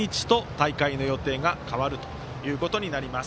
大会の予定が変わるということになります。